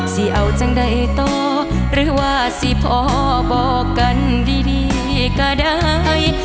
สิเอาจังใดต่อหรือว่าสิพอบอกกันดีก็ได้